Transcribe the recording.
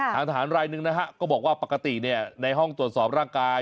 ทหารรายหนึ่งนะฮะก็บอกว่าปกติในห้องตรวจสอบร่างกาย